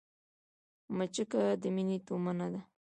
مچکه د مينې تومنه ده